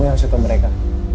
kamu yang setau mereka